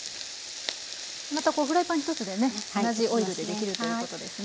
またこうフライパン一つでね同じオイルで出来るということですね。